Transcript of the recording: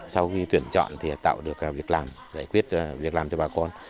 sau khi tuyển chọn thì tạo được việc làm giải quyết việc làm cho bà con